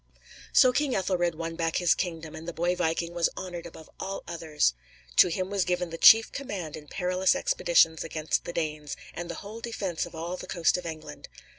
So King Ethelred won back his kingdom, and the boy viking was honored above all others. To him was given the chief command in perilous expeditions against the Danes, and the whole defence of all the coast of England.